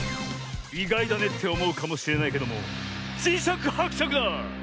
いがいだねっておもうかもしれないけどもじしゃくはくしゃくだ！